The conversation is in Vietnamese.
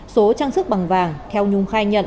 số trang sức bằng vàng theo nhung khai nhận